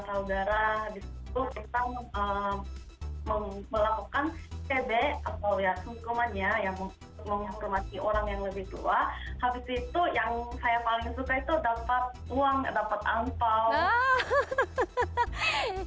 habis itu yang saya paling suka itu dapat uang dapat ampau